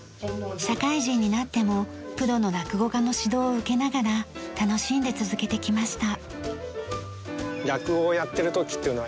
社会人になってもプロの落語家の指導を受けながら楽しんで続けてきました。